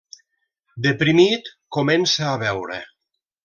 Deprimit, comença a beure.